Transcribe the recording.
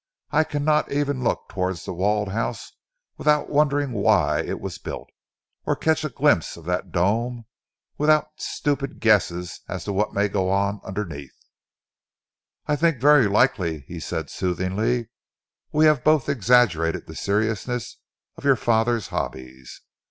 I cannot even look towards The Walled House without wondering why it was built or catch a glimpse of that dome without stupid guesses as to what may go on underneath." "I think very likely," he said soothingly, "we have both exaggerated the seriousness of your father's hobbies.